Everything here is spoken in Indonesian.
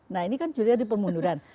nah ini kan juli ada permunduran